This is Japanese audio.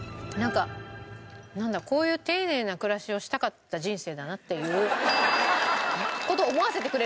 こういう丁寧な暮らしをしたかった人生だなっていう事を思わせてくれる味。